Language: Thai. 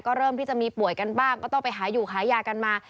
ก็เริ่มที่จะมีป่วยกันบ้างก็ต้องไปหาอยู่ขายยากันมา